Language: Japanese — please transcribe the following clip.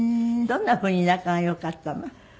どんなふうに仲がよかったの？